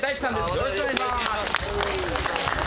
よろしくお願いします！